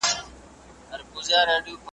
هغه وويل چي تمرين مهم دي.